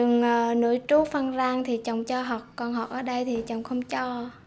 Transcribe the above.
nữ trú phan rang thì chồng cho học còn học ở đây thì chồng không cho